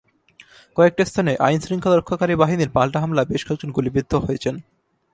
কয়েকটি স্থানে আইনশৃঙ্খলা রক্ষাকারী বাহিনীর পাল্টা হামলায় বেশ কয়েকজন গুলিবিদ্ধ হয়েছেন।